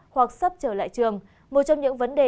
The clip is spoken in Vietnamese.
hoặc sắp trở lại trường một trong những vấn đề